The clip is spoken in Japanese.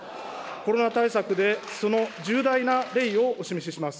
コロナ対策でその重大な例をお示しします。